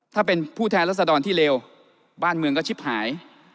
ถ้าเป็นผู้แทนรัศดรที่เร็วบ้านเมืองก็ชิบหาย